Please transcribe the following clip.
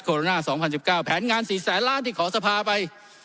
โคโรนาสองพันสิบเก้าแผนงานสี่แสนล้านที่ขอสภาไป